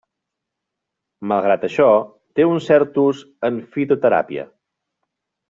Malgrat això, té un cert ús en fitoteràpia.